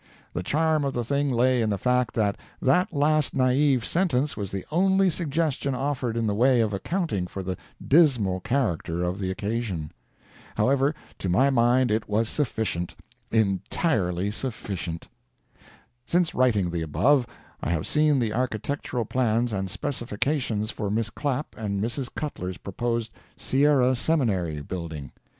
The charm of the thing lay in the fact that that last naive sentence was the only suggestion offered in the way of accounting for the dismal character of the occasion. However, to my mind it was sufficient—entirely sufficient. Since writing the above, I have seen the architectural plans and specifications for Miss Clapp and Mrs. Cutler's proposed "Sierra Seminary" building.